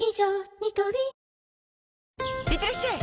ニトリいってらっしゃい！